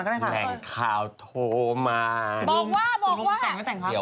คุณแม่แม่เลย